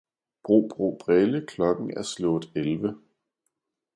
Bro, bro, brille, klokken er slået elve!